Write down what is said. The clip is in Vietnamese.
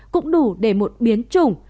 cũng đủ để một biến chủng